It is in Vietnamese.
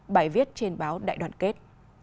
bài viết trên báo đại đoàn kết